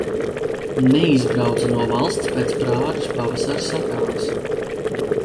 Neizbrauca no valsts pēc Prāgas pavasara sakāves.